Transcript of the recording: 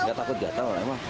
enggak takut gatel emang